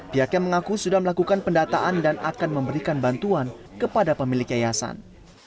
pihaknya mengaku sudah melakukan pendataan dan akan memberikan bantuan kepada pemilik yayasan